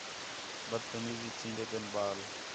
بد تمیز تھین٘دے پئین ٻال